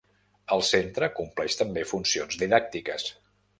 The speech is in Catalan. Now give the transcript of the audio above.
El centre compleix també funcions didàctiques.